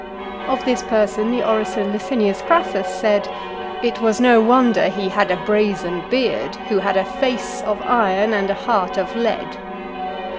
Of this person the orator Licinius Crassus said, "It was no wonder he had a brazen beard, who had a face of iron, and a heart of lead."